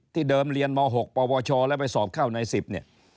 เดิมเรียนม๖ปวชแล้วไปสอบเข้าใน๑๐เนี่ย